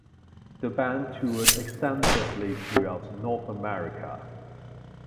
The band toured extensively throughout North America.